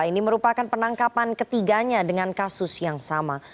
ini merupakan penangkapan ketiganya dengan kasus yang sama